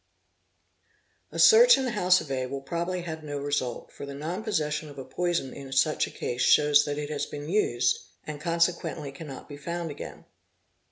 A search in the house of A will probably have no result, — for the non possession of a poison in such a case shows that it has been used, and consequently cannot be found again.